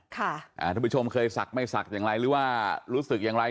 ค่ะอ่าทุกผู้ชมเคยสักไม่สักอย่างไรหรือว่ารู้สึกอย่างไร